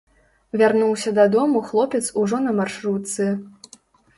Вяртаўся дадому хлопец ужо на маршрутцы.